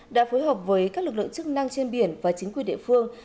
đã phối hợp với các lực lượng chức năng trên biển và chính quyền địa phương